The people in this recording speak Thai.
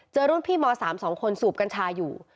รุ่นพี่ม๓๒คนสูบกัญชาอยู่